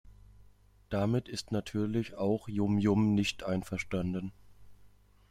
Damit ist natürlich auch Yum-Yum nicht einverstanden.